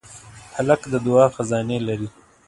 هلک د دعا خزانې لري.